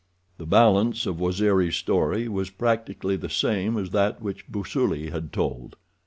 The balance of Waziri's story was practically the same as that which Busuli had told.